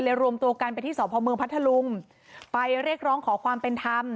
รวมตัวกันไปที่สพเมืองพัทธลุงไปเรียกร้องขอความเป็นธรรม